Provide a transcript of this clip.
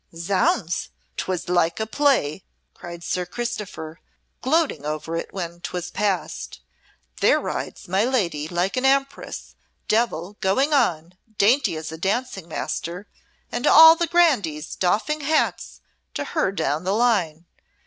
"Zounds, 'twas like a play!" cried Sir Christopher, gloating over it when 'twas past. "There rides my lady like an empress, Devil going as dainty as a dancing master, and all the grandees doffing hats to her down the line.